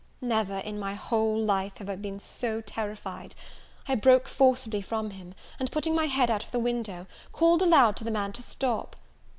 Never, in my whole life, have I been so terrified. I broke forcibly from him, and, putting my head out of the window, called aloud to the man to stop.